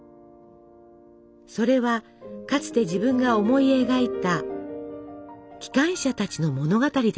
それはかつて自分が思い描いた機関車たちの物語でした。